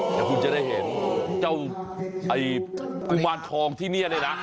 แล้วคุณจะได้เห็นเจ้าไอ้กุมารทองที่นี่นี่นะ